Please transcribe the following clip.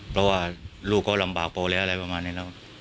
เพราะว่าลูกเขาลำบากพอแล้วอะไรประมาณนี้แล้ว